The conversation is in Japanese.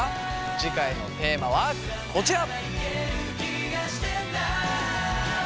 次回のテーマはこちら！